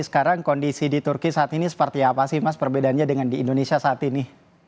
sekarang kondisi di turki saat ini seperti apa sih mas perbedaannya dengan di indonesia saat ini